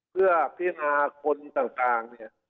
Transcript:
เพื่อพิจารณาคนต่างเนี่ย